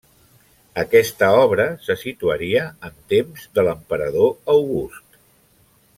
Aquesta obra se situaria en temps de l'emperador August.